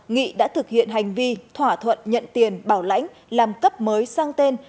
nghị đã thực hiện hành vi thỏa thuận nhận tiền bảo lãnh làm cấp mới sang tên